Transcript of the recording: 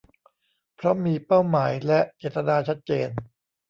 เพราะมีเป้าหมายและเจตนาชัดเจน